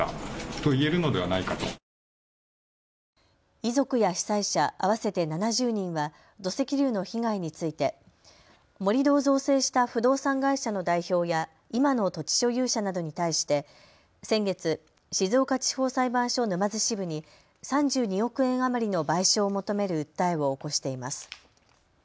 遺族や被災者合わせて７０人は土石流の被害について盛り土を造成した不動産会社の代表や、今の土地所有者などに対して先月、静岡地方裁判所沼津支部に３２億円余りの賠償を求める訴えを起こしています。